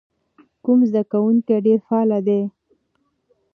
کوم زده کوونکی ډېر فعال دی؟